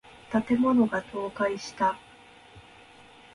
建物が倒壊した。